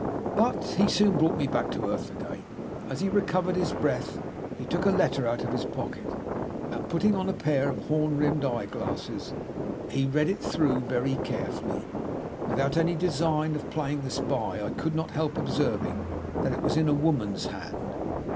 But he soon brought me back to earth again. As he recovered his breath he took a letter out of his pocket, and, putting on a pair of horn rimmed eye glasses, he read it through very carefully. Without any design of playing the spy I could not help observing that it was in a woman's hand.